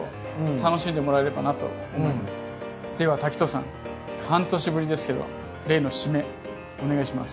では滝藤さん半年ぶりですけど例の締めお願いします。